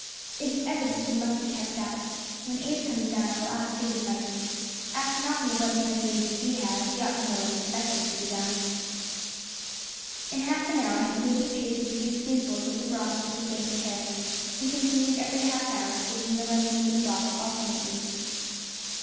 It is evident he must be kept up. When Abe comes down I will ask his advice; after knocking about as many years as he has been, he ought to know what is the best thing to be done." In half an hour he gave the patient a few spoonfuls of the broth which had been prepared, and continued every half hour to give him the lemonade and broth alternately.